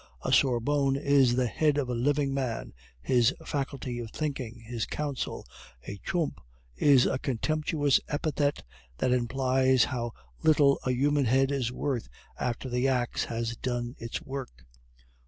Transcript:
A sorbonne is the head of a living man, his faculty of thinking his council; a chump is a contemptuous epithet that implies how little a human head is worth after the axe has done its work.